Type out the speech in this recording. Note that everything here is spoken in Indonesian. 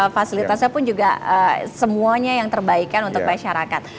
fasilitasnya pun juga semuanya yang terbaikkan untuk masyarakat